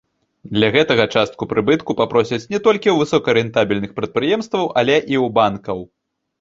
Для гэтага частку прыбытку папросяць не толькі ў высокарэнтабельных прадпрыемстваў, але і ў банкаў.